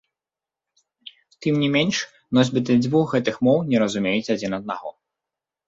Тым не менш носьбіты дзвюх гэтых моў не разумеюць адзін аднаго.